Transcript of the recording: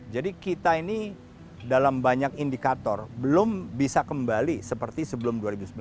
jadi kita ini dalam banyak indikator belum bisa kembali seperti sebelum dua ribu sembilan belas